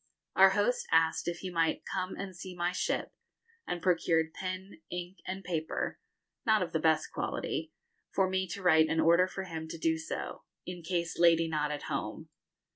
Our host asked if he might 'come and see my ship,' and procured pen, ink, and paper not of the best quality for me to write an order for him do so, 'in case lady not at home.'